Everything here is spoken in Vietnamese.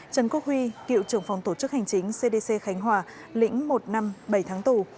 trần quốc huy cựu trưởng phòng tổ chức hành chính cdc khánh hòa lĩnh một năm bảy tháng tù